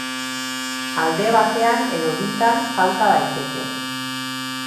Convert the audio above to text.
Alde batean edo bitan falta daiteke.